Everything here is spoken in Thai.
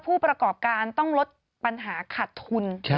ผู้ประกอบการต้องลดปัญหาขาดทุน